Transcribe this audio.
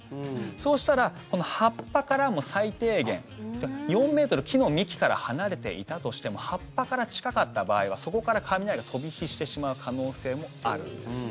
そうしたら、この葉っぱからも最低限４ｍ、木の幹から離れていたとしても葉っぱから近かった場合はそこから雷が飛び火してしまう可能性もあるんです。